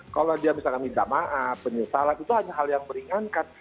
kalau dia misalkan minta maaf penyesalan itu hanya hal yang meringankan